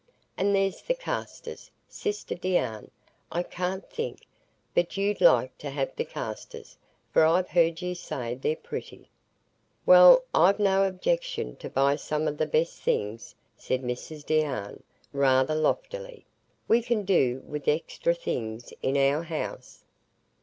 And there's the castors, sister Deane, I can't think but you'd like to have the castors, for I've heard you say they're pretty." "Well, I've no objection to buy some of the best things," said Mrs Deane, rather loftily; "we can do with extra things in our house."